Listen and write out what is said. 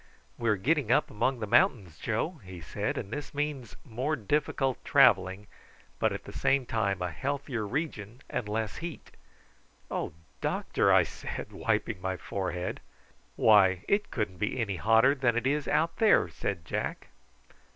"We are getting up among the mountains, Joe," he said; "and this means more difficult travelling, but at the same time a healthier region and less heat." "Oh, doctor!" I said, wiping my forehead. "Why, it couldn't be any hotter than it is out there!" said Jack.